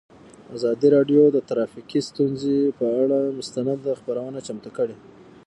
ازادي راډیو د ټرافیکي ستونزې پر اړه مستند خپرونه چمتو کړې.